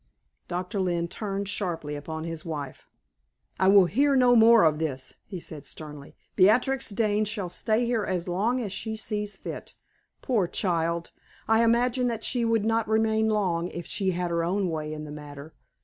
Doctor Lynne turned sharply upon his wife. "I will hear no more of this!" he said, sternly. "Beatrix Dane shall stay here as long as she sees fit. Poor child! I imagine that she would not remain long if she had her own way in the matter.